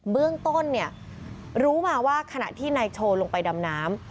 เบื้องต้นเนี่ยรู้มาว่าขณะที่นายโชว์ลงไปดำน้ำ